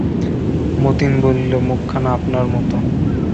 মতি বলিল, মুখখানা আপনার মতো।